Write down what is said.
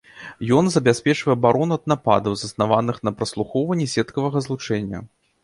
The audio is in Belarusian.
Ён забяспечвае абарону ад нападаў, заснаваных на праслухоўванні сеткавага злучэння.